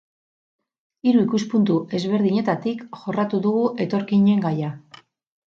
Hiru ikuspuntu ezberdinetatik jorratu dugu etorkinen gaia.